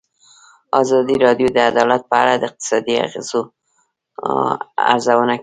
ازادي راډیو د عدالت په اړه د اقتصادي اغېزو ارزونه کړې.